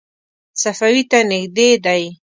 صفوي ته نږدې دی.